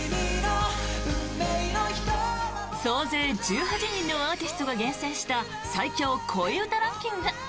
総勢１８人のアーティストが厳選した最強恋うたランキング。